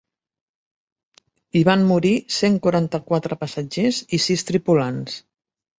Hi van morir cent quaranta-quatre passatgers i sis tripulants.